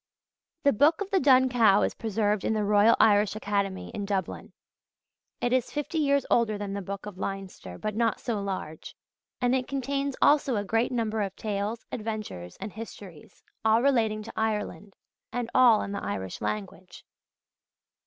The Book of the Dun Cow is preserved in the Royal Irish Academy in Dublin. It is fifty years older than the Book of Leinster, but not so large; and it contains also a great number of tales, adventures, and histories, all relating to Ireland, and all in the Irish language.